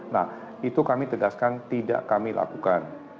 nah itu kami tegaskan tidak kami lakukan